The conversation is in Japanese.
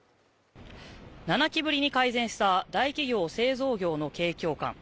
７期ぶりに改善した大企業製造業の景況感。